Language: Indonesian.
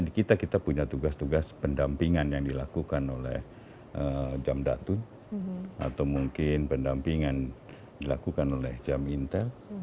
di kita kita punya tugas tugas pendampingan yang dilakukan oleh jam datun atau mungkin pendampingan dilakukan oleh jam intel